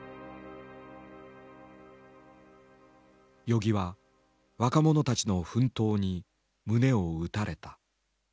与儀は若者たちの奮闘に胸を打たれた。